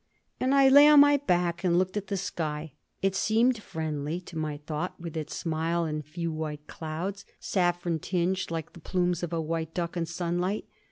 And I lay on my back and looked at the sky. It seemed friendly to my thought with its smile, and few white clouds, saffron tinged like the plumes of a white duck in sunlight.